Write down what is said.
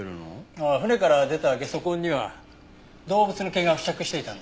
ああ船から出たゲソ痕には動物の毛が付着していたんだ。